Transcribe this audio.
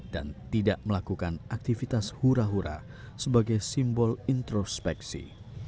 dan tidak melakukan aktivitas hura hura sebagai simbol introspeksi